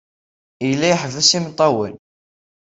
Yella iḥebbes imeṭṭawen.